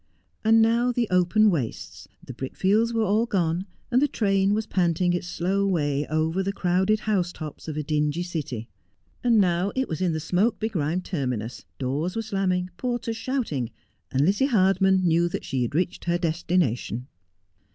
And now the open wastes, the brickfields were all gone, and the train was panting its slow way over the crowded house tops of a dingy city ; and now it was in the smoke begrimed terminus, doors ware slamming, porters shouting, and Lizzie Hardman knew she had reached her destination.